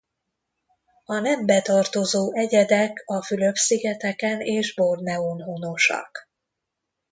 A nembe tartozó egyedek a Fülöp-szigeteken és Borneón honosak.